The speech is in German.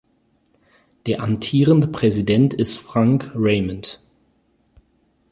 Der amtierende Präsident ist Frank Ramond.